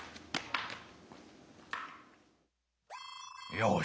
よし。